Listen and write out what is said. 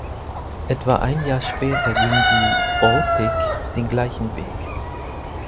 Etwa ein Jahr später ging die "Baltic" den gleichen Weg.